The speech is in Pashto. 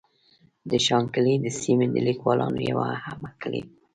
د شانګلې د سيمې د ليکوالانو يوه اهمه کړۍ